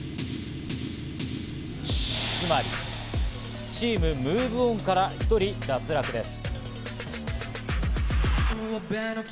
つまりチームＭｏｖｅＯｎから１人脱落です。